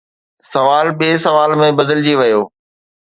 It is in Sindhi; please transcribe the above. سوال ٻئي سوال ۾ بدلجي ويو